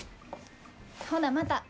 ほなまた。